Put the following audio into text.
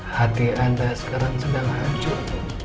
hati anda sekarang sudah hancur